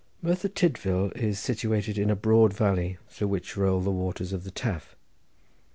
Merthyr Tydvil is situated in a broad valley through which roll the waters of the Taf.